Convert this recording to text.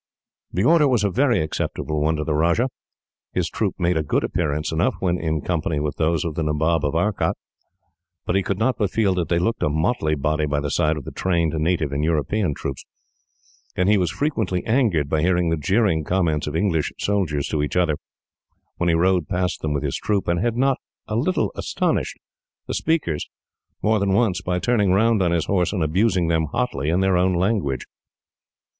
The order was a very acceptable one to the Rajah. His troop made a good appearance enough, when in company with those of the Nabob of Arcot, but he could not but feel that they looked a motley body by the side of the trained native and European troops; and he was frequently angered by hearing the jeering comments of English soldiers to each other, when he rode past them with his troop; and had not a little astonished the speakers, more than once, by turning round on his horse, and abusing them hotly in their own language.